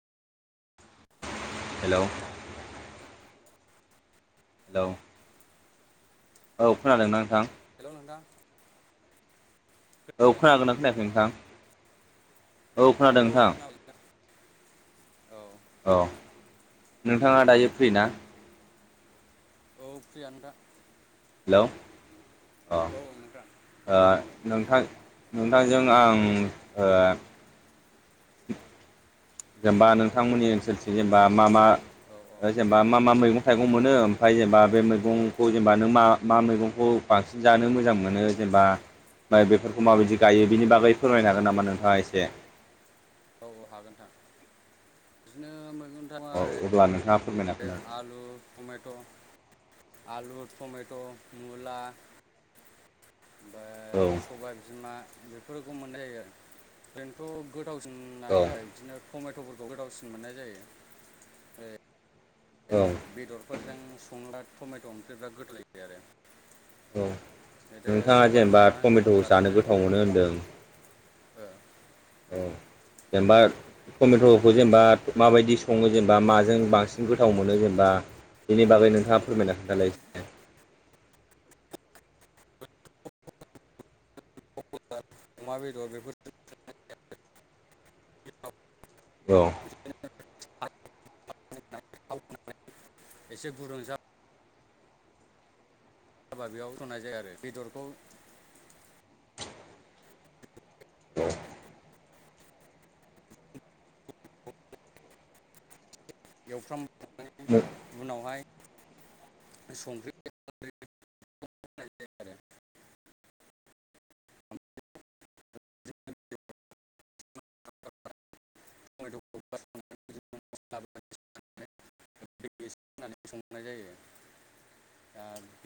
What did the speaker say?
हेल' hello औ खोनादों ना नोंथां? हेल' नोंथां औ खोनादोंना खोनागोनना खोनायाखै नोंथां? औ खोनादों औ नोंथां खोनाब नोंथां औ। औ नोंथाङा दायो फ्रि ना? औ फ्रियानो दा। हेलौ अ औ औ नोंथां। ओ नोंथां नोंथांजों आं ओ जेनबा नोंथांमोननि ओनसोलथि जेनेबा मा मा औ औ जेन बा मा मा मैगं थाइगं मोनो ओमफ्राय जेनबा मैगंखौ जेनेबा नों मा मा मैगंखौ बांसिन जानो मोजां मोनो जेनेबा ओमफ्राय बेफोरखौ माबायदि गायो बिनि बागै फोरमायनो औ हागोन नामा नोंथाङा एसे? औ औ हागोन नोंथां। बिदिनो मैगं एसे अ अब्ला नोंथाङा फोरमायना होनो [unintelligible] आलु टमेट' आलु टमेट' मुला ओमफ्राय सबाय बिमा बेफोरखौ मोननाय जायो आरो। ओरैनोथ' गोदावसिनानो ज औ बिदिनो टमेट'फोरखौ गोदावसिन मोननाय जायो। औ बेदरफोरजों संब्ला टमेट' ओंख्रिया बिराद गोथाव जायो आरो। औ ओमफ्राय नोंथाङा सबाय जेनेबा बिमा होनना टमेट' बुङोबा जानो गोथाव मोनो होनदों। ओ। औ जेनेबा टमेट'खौ जेनेबा माबायदि सङो जेनेबा माजों बांसिन गोथाव मोनो जेनेबा बेनि बागै नोंथाङा फोरमायना खोनथालाय। अमा बेदर बेफोर औ। एसे गुुरुंजा बा बेयाव होनाय जायो आरो बेदरखौ एवफ्रामनाय औ उनावहाय संख्रि होनाय जायो आरो [inaudible] [inaudible] होनानै संनाय जायो ओ दा